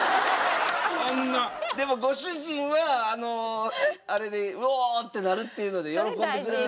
でもご主人はあれで「おお！」ってなるっていうので喜んでくれる。